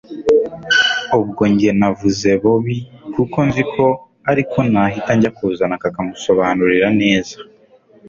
ubwo njye navuze bobi kuko nzi ko ariko nahita njya kuzana kakamusobanurira neza